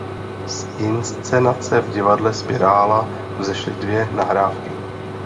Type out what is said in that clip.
Z inscenace v divadle Spirála vzešly dvě nahrávky.